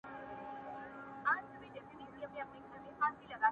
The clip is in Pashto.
ستا د سکروټو سترگو رنگ به سم؛ رڼا به سم؛